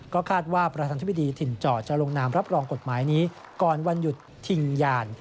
ก็คาดว่าประธานธิบดีถิ่นเจาะจะลงนามรับรองกฎหมายนี้ก่อนวันหยุดทิ้งยาน